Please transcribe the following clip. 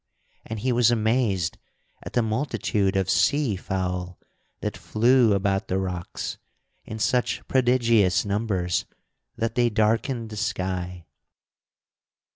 And he was amazed at the multitude of sea fowl that flew about the rocks in such prodigious numbers that they darkened the sky.